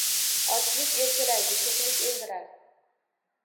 Ochlik erkalaydi, to’qlik o’ldirar.